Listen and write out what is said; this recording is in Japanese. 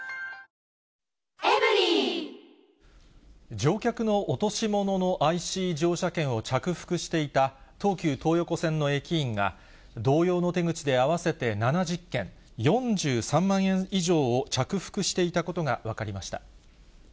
乗客の落し物のＩＣ乗車券を着服していた、東急東横線の駅員が同様の手口で合わせて７０件、４３万円以上を着服していたことが分かりました。